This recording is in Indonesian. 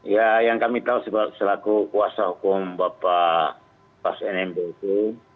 ya yang kami tahu selaku kuasa hukum bapak pas nmb itu